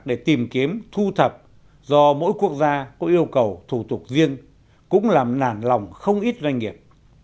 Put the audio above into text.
để tìm kiếm thu thập do mỗi quốc gia có yêu cầu thủ tục riêng cũng làm nản lòng không ít doanh nghiệp